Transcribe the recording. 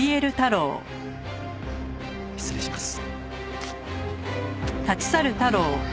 失礼します。